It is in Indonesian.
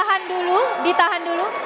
tahan dulu ditahan dulu